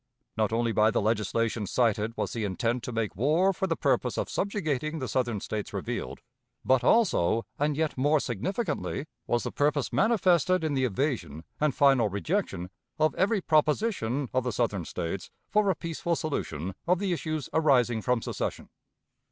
Not only by the legislation cited was the intent to make war for the purpose of subjugating the Southern States revealed, but also, and yet more significantly, was the purpose manifested in the evasion and final rejection of every proposition of the Southern States for a peaceful solution of the issues arising from secession.